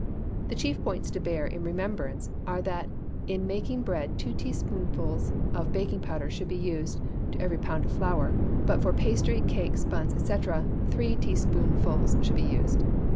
The chief points to bear in remembrance are that in making bread two teaspoonfuls of baking powder should be used to every pound of flour, but for pastry, cakes, buns, &c., three teaspoonfuls should be used.